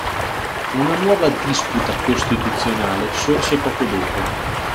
Una nuova disputa costituzionale sorse poco dopo.